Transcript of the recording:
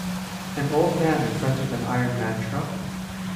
An old man in front of an Iron Man truck.